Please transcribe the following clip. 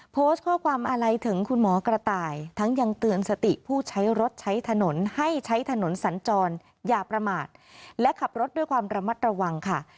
โพสต์ข้อความอะไรถึงคุณหมอกระต่ายทั้งยังเตือนสติผู้ใช้รถใช้ถนนให้ใช้ถนนสัญจรอย่าประมาทและขับรถด้วยความระมัดระวังค่ะ